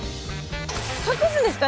隠すんですか？